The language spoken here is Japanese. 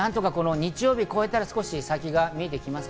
日曜日を超えたら先が見えてきます。